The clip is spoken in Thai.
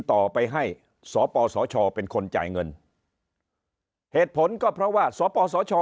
ต่อไปให้สปสชเป็นคนจ่ายเงินเหตุผลก็เพราะว่าสปสช